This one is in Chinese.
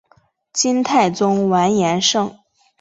金太宗完颜晟。